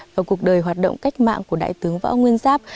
và cuộc đời hoạt động cách mạng của đại tướng võ nguyên giáp